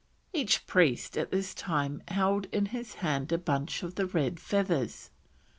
Each priest at this time held in his hand a bunch of the red feathers.